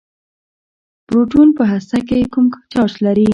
پروټون په هسته کې کوم چارچ لري.